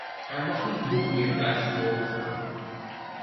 Er mag niet nog meer tijd verloren gaan.